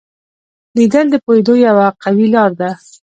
لیدل د پوهېدو یوه قوي لار ده